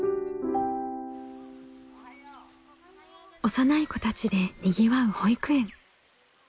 幼い子たちでにぎわう保育園。